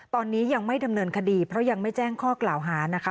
ตอนนี้ยังไม่ดำเนินคดีเพราะยังไม่แจ้งข้อกล่าวหานะคะ